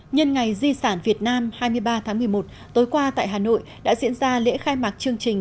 nhân ngày di sản việt nam hai mươi ba tháng một mươi một tối qua tại hà nội đã diễn ra lễ khai mạc chương trình